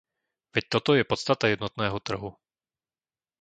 Veď toto je podstata jednotného trhu.